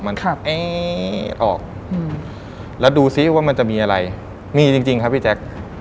มันขับออกแล้วดูซิว่ามันจะมีอะไรมีจริงจริงครับพี่แจ๊ค